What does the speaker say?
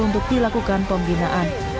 untuk dilakukan pembinaan